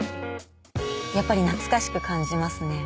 やっぱり懐かしく感じますね。